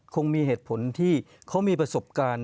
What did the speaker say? คงมีเหตุผลที่เขามีประสบการณ์